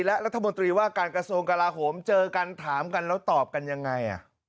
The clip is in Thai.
และรัฐมนตรีว่าการกระทรวงกลาโหมเจอกันถามกันแล้วตอบกันยังไง